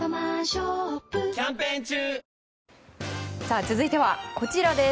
続いては、こちらです。